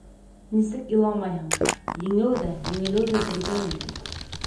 Нисек иламайһың, еңеү ҙә, еңелеү ҙә бергә ине бит...